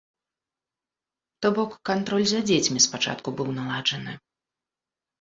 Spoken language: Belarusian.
То бок кантроль за дзецьмі спачатку быў наладжаны.